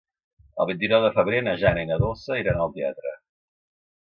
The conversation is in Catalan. El vint-i-nou de febrer na Jana i na Dolça iran al teatre.